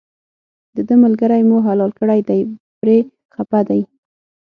دده ملګری مو حلال کړی دی پرې خپه دی.